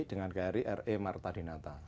dengan kri re marta dinata